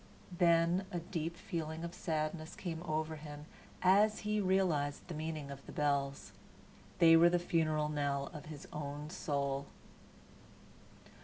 Then a deep feeling of sadness came over him as he realized the meaning of the bells. They were the funeral knell of his own soul.